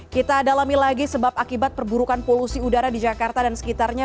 kita dalami lagi sebab akibat perburukan polusi udara di jakarta dan sekitarnya